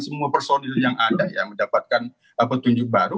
semua personil yang ada yang mendapatkan petunjuk baru